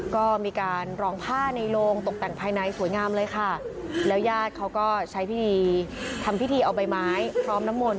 ก็มีการรองผ้าในโรงตกแต่งภายในสวยงามเลยค่ะแล้วญาติเขาก็ใช้พิธีทำพิธีเอาใบไม้พร้อมน้ำมนต